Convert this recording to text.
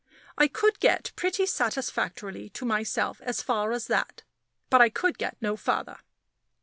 I could get pretty satisfactorily to myself as far as that; but I could get no further.